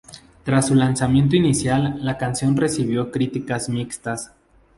Tras su lanzamiento inicial, la canción recibió críticas mixtas.